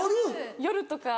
夜とか。